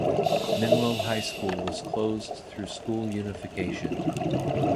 Menlo High School was closed through school unification.